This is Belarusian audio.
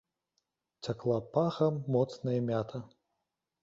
Цякла пахам моцная мята.